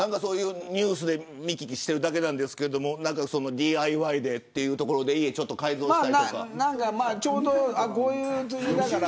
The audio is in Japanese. ニュースで見聞きしているだけですがＤＩＹでというところで家を改造したりとか。